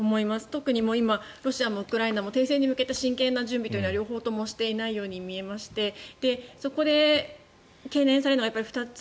特に今、ロシアもウクライナも停戦に向けた真剣な準備というのは両方ともしていないように見えましてそこで懸念されるのは２つ。